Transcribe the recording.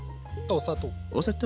お砂糖！